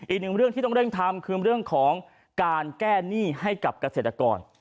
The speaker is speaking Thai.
อีกหนึ่งเรื่องที่ต้องเร่งทำคือเรื่องของการแก้หนี้ให้กับเกษตรกร